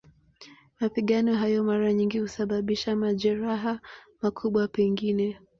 Mapigano hayo mara nyingi husababisha majeraha, makubwa pengine.